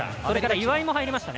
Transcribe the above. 岩井も入りました。